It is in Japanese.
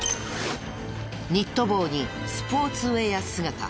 ニット帽にスポーツウェア姿。